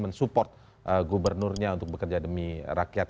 men support gubernurnya untuk bekerja demi rakyat